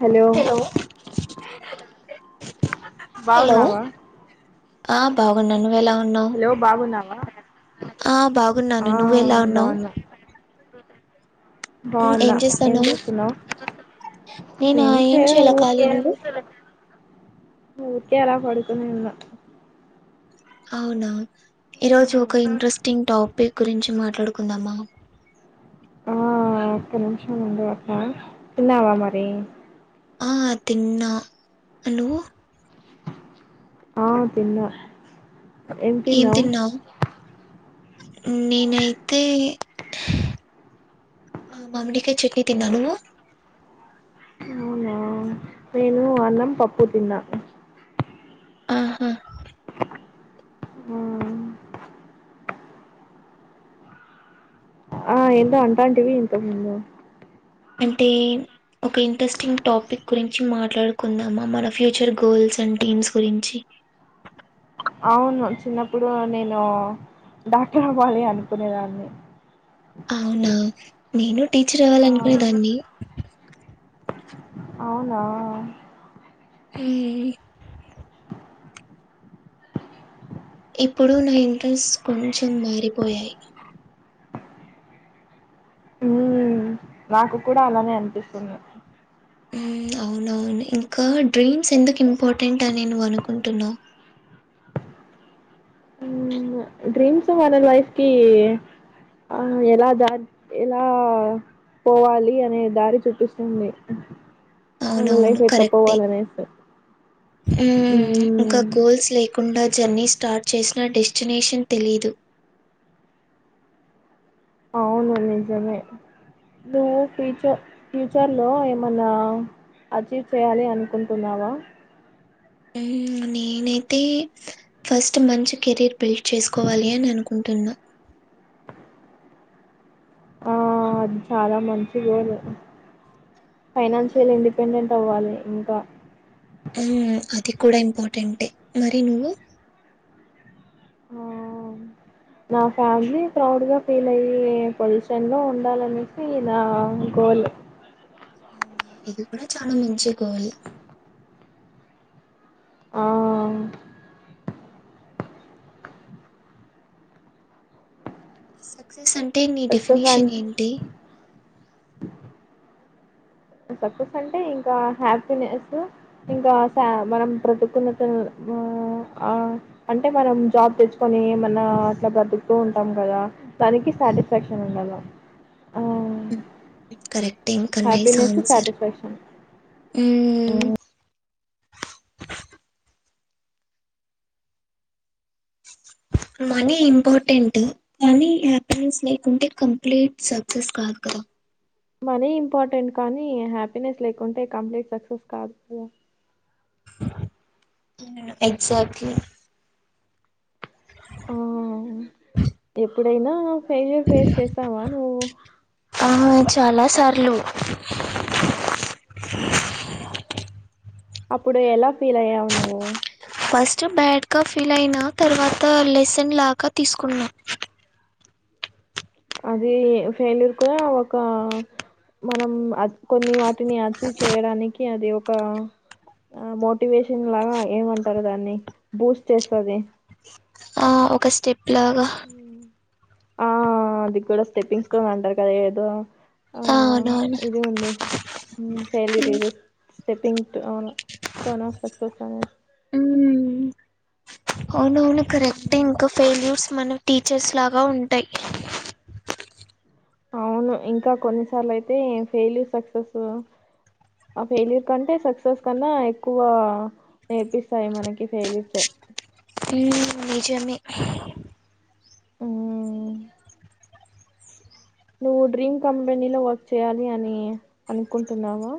Hello hello బాగున్నావా ఆ బాగున్నా నువ్వు ఎలా ఉన్నా న్నావ్ హలో బాగున్నావా ఆ ఆ బాగున్నాను నువ్వు ఎలా ఉన్నావ్ బాగున్నా బాగున్నా ఏం చేస్తున్నావ్ నేనా ఏం చేయలే చేయాల ఖాళీ ఊరికే నువ్వు ఊరికే అలా పడుకొని ఉన్నా అవునా ఈరోజు ఒక ఇంట్రెస్టింగ్ టాపిక్ గురించి మాట్లాడుకుందామా ఆ ఒక్క నిమిషం ఉండు అట్లా తిన్నావా మరి ఆ తిన్నా నువ్వు ఆ తిన్న ఏం తిన్నావు నేనైతే ఆ మామ్మడికాయ చట్నీ తిన్నా నువ్వు అవునా నేను అన్నం పప్పు తిన్నా ఆహా ఆ ఏందో అంటాంటివి ఇంతకుముందు అంటే ఒక ఇంట్రెస్టింగ్ టాపిక్ గురించి మాట్లాడుకుందామా మన ఫ్యూచర్ గోల్స్ అండ్ డ్రీమ్స్ గురించి అవును చిన్నప్పుడు నేను డాక్టర్ అవ్వాలి అనుకునేదాన్ని అవునా నేను టీచర్ అవ్వాలీ అనుకునే దాన్ని అవునా హ ఇప్పుడు నా ఇంట్రెస్ట్ కొంచెం మారిపోయాయి ఉమ్ నాకు కూడా అలానే అనిపిస్తుంది అవునవును ఇంకా డ్రీమ్స్ ఎందుకు ఇంపార్టెంట్ అని నువ్వు అనుకుంటున్నావు ఉమ్ డ్రీమ్స్ వాళ్ళ లైఫ్ కి ఆ ఎలా ద ఎలా పోవాలి అనే దారి చూపిస్తుంది మన అవునవును లైఫ్ ఎట్లా కరెక్టే పోవాలనేసి ఉమ్ ఇంకా గోల్స్ లే కుండా జర్నీ స్టార్ట్ చేసినా డెస్టినేషన్ తెలీదు అవును నిజమే నువ్వు ఫ్యూచ ఫ్యూచర్లో ఏమన్నా అచీవ్ చెయ్యాలి అనుకుంటున్నావా ఎయ్ ఇంగ నేనైతే ఫస్ట్ మంచి కెరీర్ బిల్డ్ చేసుకోవాలి అని అనుకుంటున్నా ఆ అది చాలా మంచి గోలు ఫైనాన్షియల్ ఇండిపెండెంట్ అవ్వాలి ఇంకా ఉమ్ అది కూడా ఇంపార్టెంట్ యే మరి నువ్వు ఆ నా ఫ్యామిలీ ప్రౌడ్ గా ఫీల్ అయ్యే పొజిషన్ లో ఉండాలనేసి నా గోల్ అవునా! ఇది కూడా చాలా మంచి గోల్ ఆ సక్సెస్ అంటే నీ సక్సెస్ డెఫినీషన్ అంటే ఏంటి సక్సెస్ అంటే ఇంకా హ్యాపీనెస్సు ఇంకా సా మనం బ్రతికున్నంత ఊ ఆ అంటే మనం జాబ్ తెచ్చుకొని ఏమన్నా అట్లా బతుకుతూ ఉంటాం కదా దానికి సాటిస్ఫాక్షన్ ఉండాల ఆ కరెక్టే ఇంక నైస్ హ్యాపీనెస్ ఆన్సర్ సాటిస్ఫాక్షన్ ఉమ్ మనీ ఇంపార్టెంటు కానీ హ్యాపీనెస్ లేకుంటే కంప్లీట్ సక్సెస్ కాదు కదా మనీ ఇంపార్టెంట్ కానీ హ్యాపీనెస్ లేకుంటే కంప్లీట్ సక్సెస్ కాదు కదా ఎగ్సాక్ట్లీ ఆ ఎప్పుడైనా ఫెయిల్యూర్ ఫేస్ చేసావా నువ్వు ఆ చాలా సార్లు అప్పుడు ఎలా ఫీలయ్యావు నువ్వు ఫస్ట్ బ్యాడ్ గా ఫీల్ అయినా తర్వాత లెసన్ లాగా తీసుకున్నా అది ఫెయిలూర్ కూ ఒక మనం అద్ కొన్ని వాటిని అచీవ్ చేయడానికి అది ఒక ఆ మోటివేషన్ లాగా ఏమంటారు దాన్ని బూస్ట్ చేస్తాది ఆ ఒక స్టెప్ లాగా ఆ అది కూడా స్టెపింగ్ స్టోన్ అంటారు కదా ఏదో ఆ అవునవును ఇది ఉందే ఊ failure is a stepping stone stone of success అనే ఉమ్ అవునవును కరెక్టే ఇంక ఫెల్యూర్స్ మనం టీచర్స్ లాగా ఉంటాయి అవును ఇంకా కొన్నిసార్లు అయితే ఫెయిల్యూర్ సక్సెస్ ఆ ఫెయిల్యూర్ కంటే సక్సెస్ కన్నా ఎక్కువ నేర్పిస్తాయి మనకి ఫెయిల్యూర్సే ఉమ్ నిజమే ఊ నువ్వు డ్రీమ్ కంపెనీలో వర్క్ చేయాలి అని అనుకుంటున్నావా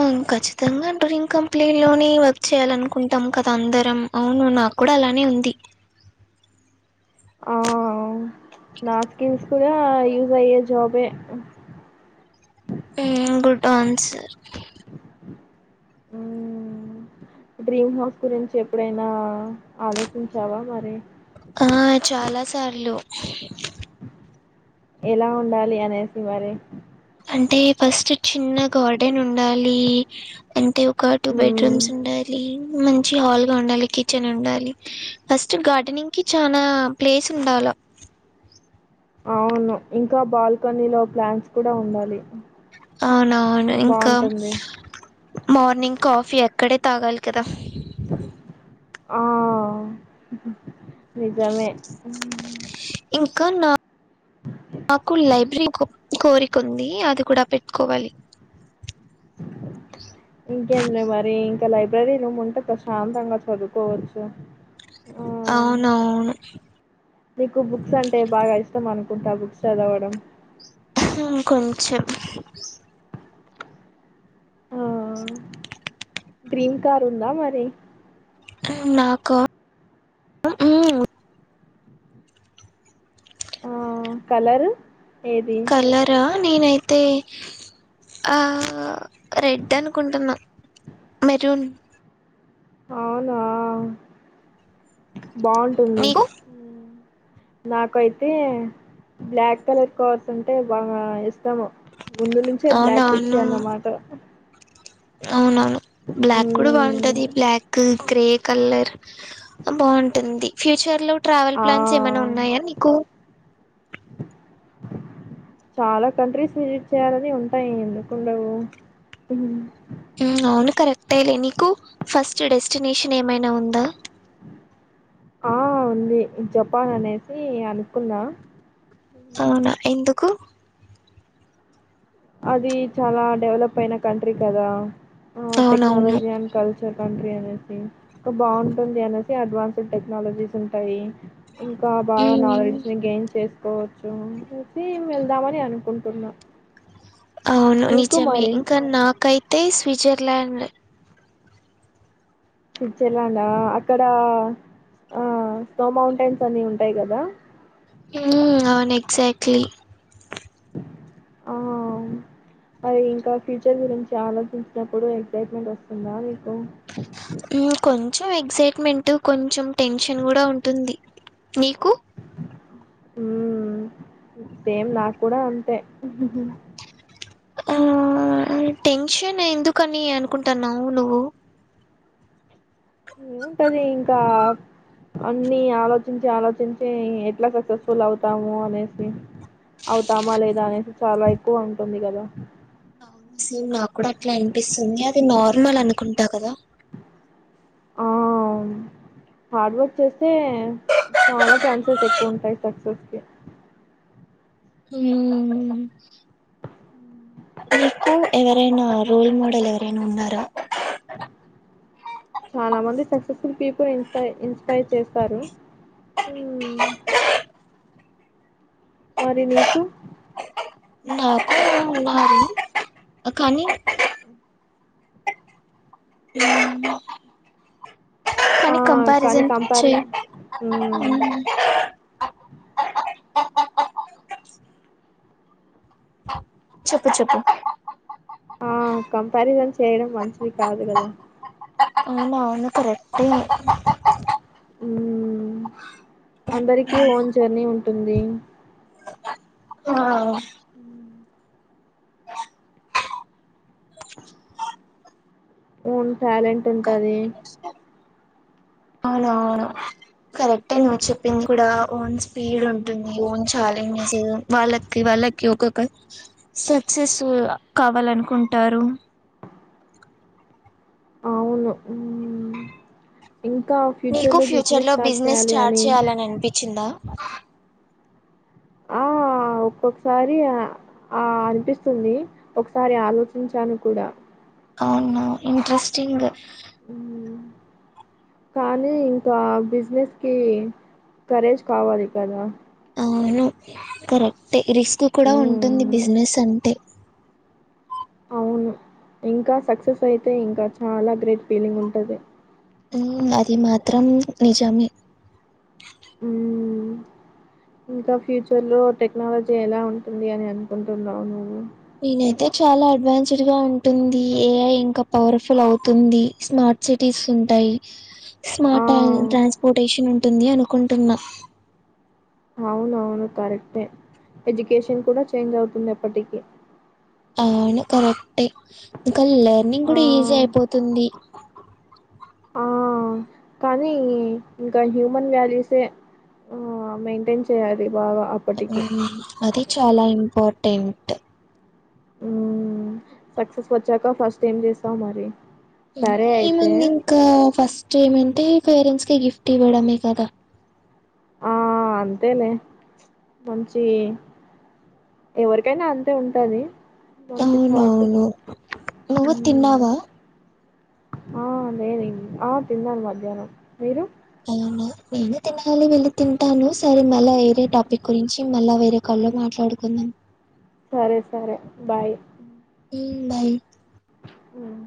అవును ఖచ్చితంగా డ్రీమ్ కంపెనీలోనే వర్క్ చేయాలనుకుంటాం కదా అందరం అవును నాకు కూడా అలానే ఉంది ఆ నా స్కిల్స్ కూడా యూస్ అయ్యే జాబే ఉమ్ గుడ్ అన్సర్ ఊ డ్రీమ్ హౌస్ గురించి ఎప్పుడైనా ఆలోచించావా మరి ఆ చాలా సార్లు ఎలా ఉండాలి అనేసి మరి అంటే ఫస్ట్ చిన్న గార్డెన్ ఉండాలి అంతే ఒ క టూ మ్మ్ బెడ్రూమ్స్ ఉండాలి మం చి హాల్గా ఉండాలి కిచెన్ ఉండాలి ఫస్ట్ గార్డెనింగ్ కి చానా ప్లేస్ ఉండాల అవును ఇంకా బాల్కనీ లో ప్లాంట్స్ కూడా ఉండాలి అవునవును ఇంకా బాగుంటుంది మార్నింగ్ కాఫీ అక్కడే తాగాలి కదా ఆ నిజమే మ్మ్. ఇంకా నా నాకు లైబ్రరీ కొ కోరికుంది అది కూడా పెట్టుకోవాలి ఇంకేమిలే మరి ఇంకా లైబ్రరీ ను ఉంటే ప్రశాంతంగా చదువుకోవచ్చు ఆ అవునవును నీకు బుక్స్ అంటే బాగా ఇష్టం అనుకుంటా బుక్స్ చదవడం హుమ్ కొంచెం ఆ గ్రీన్ కార్ ఉందా మరి ఉమ్ నాకా ఆ కలరు ఏది లరా నేనైతే ఆ రెడ్ అనుకుంటున్నా మెరూన్ అవునా బావుంటుంది నీకు నాకైతే బ్లాక్ కలర్ కార్స్ అంటే బాగా ఇష్టము ముందు నుంచే బ్లాక్ పిచ్చి అవునవును అన్నమాట అవునవును బ్లాక్ కూడా మ్మ్ బావుంటది బ్లాక్కు గ్రే కల్లర్ బావుంటుంది ఫ్యూచర్ లో ట్రావెల్ ఆ ప్లాన్స్ ఏమైనా ఉన్నాయా నీకు చాలా కంట్రీస్ విజిట్ చెయ్యాలని ఉంటాయి ఎందుకుండవు ఉమ్ అవును కరెక్టేలే నీకు ఫస్ట్ డెస్టినేషన్ ఏమైనా ఉందా ఆ ఉంది జపాన్ అనేసి అనుకున్నా అవునా ఎందుకు అది చాలా డెవలప్ అయిన కంట్రీ కదా ఆ అవునవును technology and culture country అనేసి ఇంకా బావుంటుంది అనేసి అడ్వాన్స్ టెక్నాలజీస్ ఉంటాయి ఇంకా బాగా ఉమ్, నాలెడ్జ్ ని గెయిన్ చేస్ కోవచ్చు [inaudible] సి వెళ్దామని అనుకుంటున్నా అవును నీకు నిజమే మరి ఇంకా నాకైతే స్విజర్లాండ్ స్విజ్జర్ ల్యాండా అక్కడ ఆ స్నో మౌంటైన్స్ అని ఉంటాయి కదా ఊ అవును ఎక్సాక్ట్లీ ఆ ఔ [inaudible] అది ఇంకా ఫ్యూచర్ గురించి ఆలోచించినప్పుడు ఎక్సైట్మెంట్ వస్తుందా నీకు ఊ కొంచెం ఎగ్సైట్మెంట్ కొంచెం టెన్షన్ కూడా ఉంటుంది మీకు హూమ్ సేమ్ నాకుడా అంతే ఆ టెన్షన్ ఎందుకని అనుకుంటున్నావ్ నువ్వు ఏముంటదీ ఇంకా అన్ని ఆలోచించి ఆలోచించి ఎట్లా సక్సెస్ఫుల్ అవుతాము అనేసి అవుతామా లేదా అనేసి చాలా ఎక్కువ ఉంటుంది గదా అవును సేమ్ నాకుడ అట్లా ఇన్పిస్తుంది అది నార్మల్ అనుకుంటా కదా ఆవ్న్ హార్డ్ వర్క్ చేస్తే చాలా ఛాన్సెస్ ఎక్కువుంటాయి సక్సెస్ కి ఉమ్మ్మ్మ్ మీకు ఎవరైనా రోల్ మోడల్ ఎవరైనా ఉన్నారా చాలా మంది సక్సెస్ఫుల్ పీపుల్ ఇన్స్పై ఇన్స్పైర్ చేస్తారు ఉమ్, మరి నీకు నాకు ఉన్నారు కనీ హ ఆ న్ని కానీ కంపారిజన్ కంపారి చే హ్మ్ ఊమ్ చెప్పు చెప్పు ఆ కంపారిజన్ చేయడం మంచిది కాదు గద ఔనను కరెక్టే ఊమ్ అందరికీ ఓన్ జర్నీ ఉంటుంది ఆ ఓన్ టాలెంట్ ఉంటది ఔనను కరెక్టే నువ్ చెప్పింది కుడా ఓన్ స్పీడ్ హ్మ్. ఉంటుంది ఓన్ ఛాలెంజస్ వాళ్ళక్ వాళ్ళకి ఒకొక్క సక్సెస్ కావాలనుకుంటారు అవును ఉమ్ ఇంకా నీకు ఫ్యూచర్‌లో బిజినెస్ ఫ్యూచర్లో స్టార్ట్ బిజ్నెస్ చేయాలి స్టార్ట్ అని చేయాలనన్పిచిందా ఆ ఒక్కొక్కసారి అ అనిపిస్తుంది ఒకసారి ఆలోచించాను కుడా అవున్ ఇంట్రెస్టింగ్ ఉ కానీ ఇంకా బిజినెస్కి కరేజ్ కావాలి కదా అవును కరెక్టే రిస్క్ కుడా ఉంటుంది హ్మ్. బిజ్నెస్ అంటే అవును ఇంకా సక్సెస్ అయితే ఇంక చాలా గ్రేట్ ఫీలింగ్ ఉంటది ఉమ్ అది మాత్రం నిజమే ఊమ్ ఇంక ఫ్యూచర్లో టెక్నాలజీ ఎలా ఉంటుంది అని అనుకుంటున్నావు నువ్వు నేనైతే చాలా అడ్వాన్స్డ్గా ఉంటుంది ఏఐ ఇంకా పవర్ఫుల్ అవుతుంది స్మార్ట్ స్మార్ట్ సిటీస్ ఉంటాయి ఆ స్మార్ట ట్రాన్స్పోర్టేషన్ ఉంటుంది అనుకుంటున్నా అవునవును కరెక్టే ఎడ్యుకేషన్ కుడా చేంజ్ అవుతుందెపటికి ఔను కరెక్టే ఇంక లర్నింగ్ ఆ కుడా ఈజీ అయిపోతుంది ఆ కానీ ఇంకా హ్యూమన్ వాల్యూసె ఆ మెయింటెన్ చేయాలి బాగా అ హుమ్ ఆది చాలా ఇంపార్టెంట్ ఉమ్మ్ సక్సెస్ వచ్చాక ఫస్ట్ ఏం చేస్తావు మరి ఉమ్ సరే అయితే ఏముంది ఇంకా ఫస్ట్ ఏమంటే పేరెంట్స్‌కి గిఫ్ట్ ఇవ్వడమే కదా ఆ అంతేలే మంచి ఎవరికైనా అంతే ఉంటది మంచి థాట్ అవునవును నువ్వు ఉమ్మ్ తిన్నావా ఆ లేదిం ఆ తిన్నాను మధ్యాహ్నం మీరు అలోనే నేను తినలి వెళ్ళి తింటాను సరే మళ్ళా వేరే టాపిక్ గురించి మళ్ళా వేరే కాల్లో మాట్లాడుకుందాం సరే సరే బాయ్ ఉమ్మ్ బాయ్ ఉమ్మ్